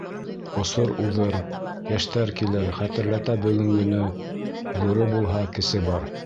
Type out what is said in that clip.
Осор уҙыр, йәштәр килер, Хәтерләтә бөгөнгөнө Ҙуры булһа, кесе бар.